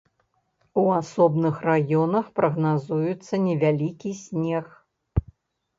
У асобных раёнах прагназуецца невялікі снег.